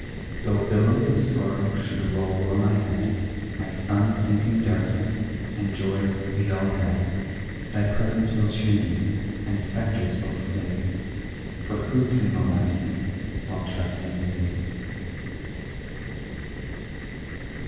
Tho' billows of sorrow should roll o'er my head, My sun sink in darkness, and joys be all dead, Thy presence will cheer me, and spectres will flee, For who can molest me while trusting in thee?